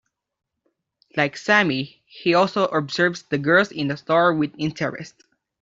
Like Sammy, he also observes the girls in the store with interest.